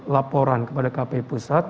laporan kepada kpi pusat